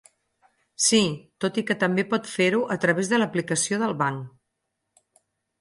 Sí, tot i que també pot fer-ho a través de l'aplicació del banc.